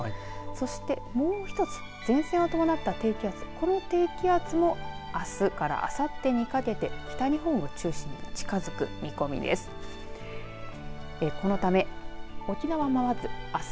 そしてもう一つ前線を伴った低気圧この低気圧もあすからあさってにかけて北日本を中心に近づく見込みです。